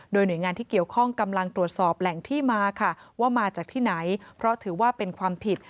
โดยหน่วยงานที่เกี่ยวข้องกำลังตรวจสอบแหล่งที่มาค่ะว่ามาจากที่ไหนเพราะถือว่าเป็นความผิด